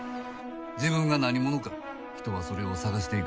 自分が何者か人はそれを探していく。